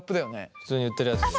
普通に売ってるやつだよね。